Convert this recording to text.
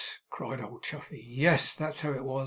cried old Chuffey, 'yes! That's how it was.